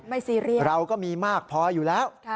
ซีเรียสเราก็มีมากพออยู่แล้ว